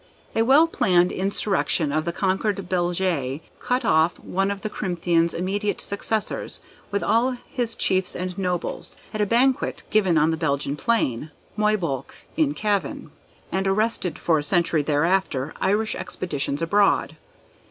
A well planned insurrection of the conquered Belgae, cut off one of Crimthan's immediate successors, with all his chiefs and nobles, at a banquet given on the Belgian plain (Moybolgue, in Cavan); and arrested for a century thereafter Irish expeditions abroad.